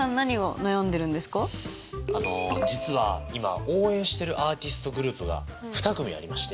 あの実は今応援してるアーティストグループが２組ありまして。